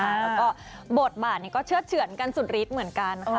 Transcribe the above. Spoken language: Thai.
แล้วก็บทบาทนี้ก็เชื่อเฉือนกันสุดฤทธิ์เหมือนกันค่ะ